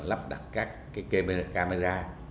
lắp đặt các cái camera